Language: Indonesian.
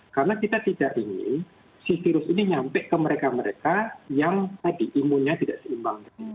karena kita tidak ingin si virus ini nyampe ke mereka mereka yang tadi imunnya tidak seimbang lagi